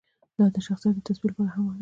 دا د شخصیت د تثبیت لپاره هم ده.